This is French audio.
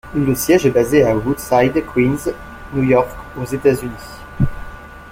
Le siège est basé à Woodside, Queens, New York aux États-Unis.